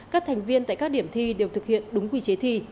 các thành viên tại các điểm thi đều thực hiện đúng quy chế thi